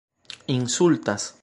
insultas